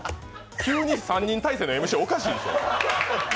急に３人体制のＭＣ、おかしいでしょ。